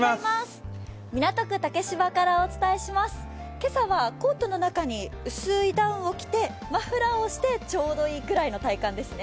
今朝はコートの中に薄いダウンを着てマフラーをしてちょうどいいくらいの体感ですね。